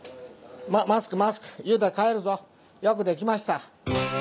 マスクマスクゆうだい帰るぞよくできました。